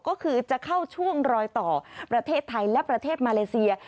ก็คือจะเข้าช่วงรอยต่อประเทศไทยและประเทศมาเลเซีย